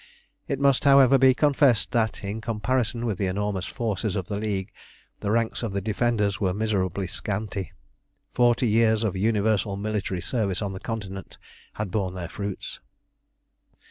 It must, however, be confessed that, in comparison with the enormous forces of the League, the ranks of the defenders were miserably scanty. Forty years of universal military service on the Continent had borne their fruits.